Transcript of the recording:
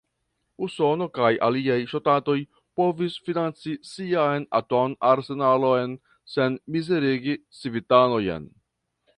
Usono kaj aliaj ŝtatoj povis financi sian atom-arsenalon sen mizerigi civitanojn.